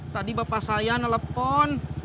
tadi bapak saya nelfon